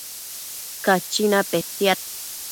Cachina petiad